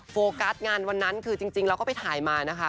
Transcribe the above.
โฟกัสงานวันนั้นคือจริงเราก็ไปถ่ายมานะคะ